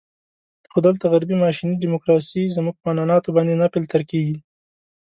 خو دلته غربي ماشیني ډیموکراسي زموږ په عنعناتو باندې نه فلتر کېږي.